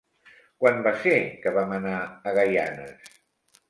Quan va ser que vam anar a Gaianes?